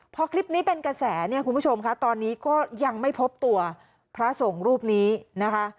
พอคลิปนี้เป็นกระแสเนี่ยคุณผู้ชมค่ะตอนนี้ก็ยังไม่พบตัวพระสงฆ์รูปนี้นะคะ